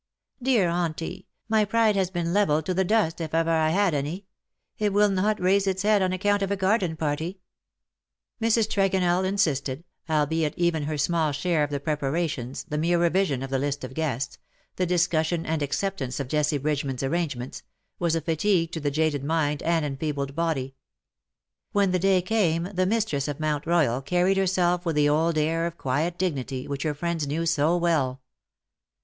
''^^' Dear Auntie, my pride has been levelled to the dust, if I ever had any ; it will not raise its head on account of a garden party ."'^ Mrs. Tregonell insisted, albeit even her small share of the preparations, the mere revision of the list of guests — the discussion and acceptance of Jessie Bridgeman^s arrangements — was a fatigue to the jaded mind and enfeebled body. When the day came the mistress of Mount Royal carried herself with the old air of quiet dignity which her friends knew so ^rell.